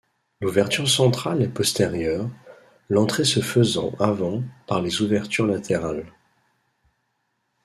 L'ouverture central est postérieure, l'entrée se faisant avant par les ouvertures latérales.